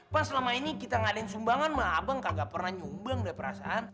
pan selama ini kita ngadain sumbangan mah abang gak pernah nyumbang deh perasaan